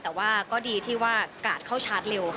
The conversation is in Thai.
แต่ว่าก็ดีที่ว่ากาดเข้าชาร์จเร็ว